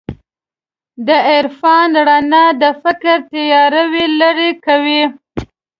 د عرفان رڼا د فکر تیارو لېرې کوي.